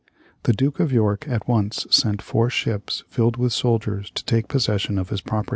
The Duke of York at once sent four ships filled with soldiers to take possession of his property.